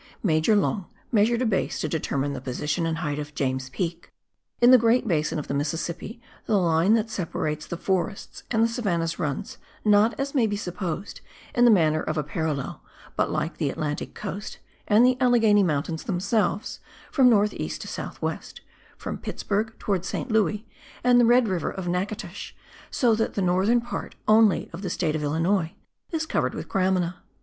Major Long measured a base to determine the position and height of James Peak. In the great basin of the Mississippi the line that separates the forests and the savannahs runs, not, as may be supposed, in the manner of a parallel, but like the Atlantic coast, and the Allegheny mountains themselves, from north east to south west, from Pittsburg towards Saint Louis, and the Red River of Nachitoches, so that the northern part only of the state of Illinois is covered with gramina.